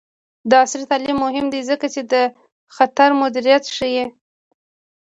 عصري تعلیم مهم دی ځکه چې د خطر مدیریت ښيي.